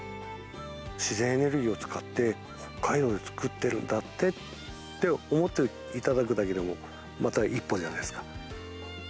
自然エネルギーを使って、北海道で作ってるんだってって思っていただくだけでも、また一歩じゃないですか。